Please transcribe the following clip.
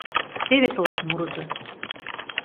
Теве тылат мурызо!